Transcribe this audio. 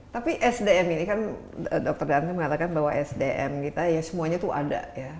tapi sdm ini kan dokter dante mengatakan bahwa sdm kita ya semuanya itu ada ya